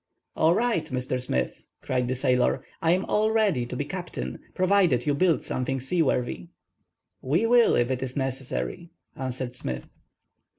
"All right, Mr. Smith," cried the sailor; "I am all ready to be captain, provided you build something seaworthy." "We will, if it is necessary," answered Smith.